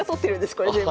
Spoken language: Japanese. これ全部。